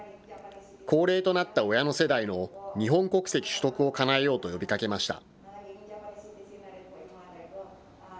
高齢となった親の世代の日本国籍取得をかなえようと呼びかけました。